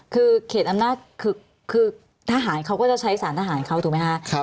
คือเขตอำนาจคือทหารเขาก็จะใช้สารทหารเขาถูกไหมคะ